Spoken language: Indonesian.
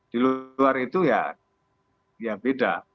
di luar itu ya beda